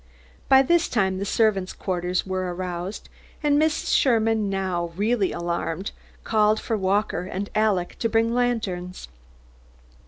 By this time, the servants' quarters were aroused, and Mrs. Sherman, now really alarmed, called for Walker and Alec to bring lanterns.